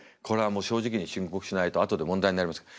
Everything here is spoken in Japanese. これはもう正直に申告しないと後で問題になります。